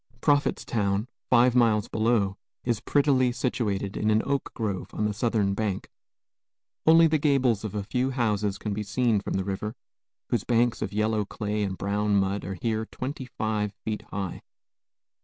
Prophetstown, five miles below, is prettily situated in an oak grove on the southern bank. Only the gables of a few houses can be seen from the river, whose banks of yellow clay and brown mud are here twenty five feet high.